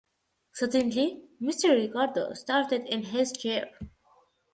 Suddenly Mr. Ricardo started in his chair.